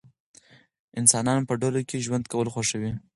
انسانان په ډلو کې ژوند کول خوښوي.